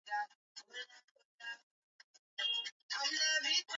kumi na tatu mia tisa kumi na nane huku mgombea wa Chama cha wananchi